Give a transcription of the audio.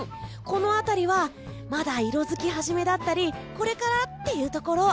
この辺りはまだ、色づきはじめだったりこれからだというところ。